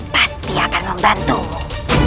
pasti akan membantumu